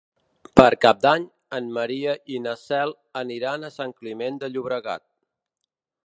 Per Cap d'Any en Maria i na Cel aniran a Sant Climent de Llobregat.